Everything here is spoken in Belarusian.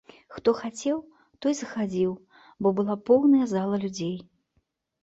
Хто хацеў, той захадзіў, бо была поўная зала людзей.